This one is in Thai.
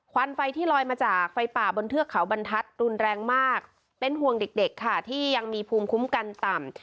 วันไฟที่ลอยมาจากไฟป่าบนเทือกเขาบรรทัศน์รุนแรงมากเป็นห่วงเด็กค่ะที่ยังมีภูมิคุ้มกันต่ำ